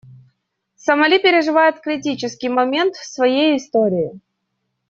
Сомали переживает критический момент в своей истории.